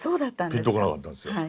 ピンと来なかったんですよ。